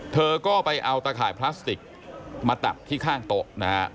เธอก็ไปเอาตะข่ายพลาสติกมาตักที่ข้างโต๊ะนะฮะ